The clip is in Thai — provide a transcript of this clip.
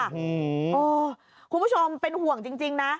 อื้อหือโอ้วคุณผู้ชมเป็นห่วงจริงนะ